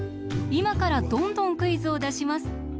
いまからどんどんクイズをだします。